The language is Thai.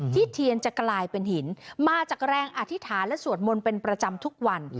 เทียนจะกลายเป็นหินมาจากแรงอธิษฐานและสวดมนต์เป็นประจำทุกวัน